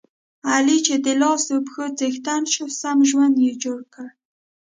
علي چې د لاسو پښو څښتن شو، سم ژوند یې جوړ کړ.